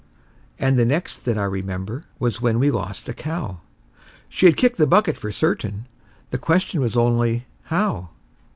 And the next that I remember was when we lost a cow; She had kicked the bucket for certain, the question was only How?